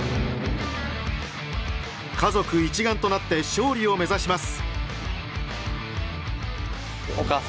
家族一丸となって勝利を目指します。